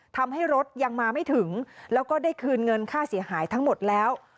ทำให้รถยังมาไม่ถึงแล้วก็ได้คืนเงินค่าเสียหายทั้งหมดแล้ว